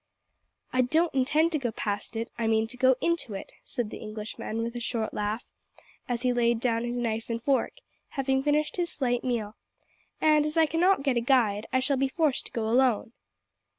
"I don't intend to go past it. I mean to go into it," said the Englishman, with a short laugh, as he laid down his knife and fork, having finished his slight meal; "and, as I cannot get a guide, I shall be forced to go alone."